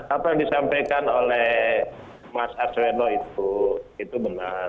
apa yang disampaikan oleh mas arswendo itu itu benar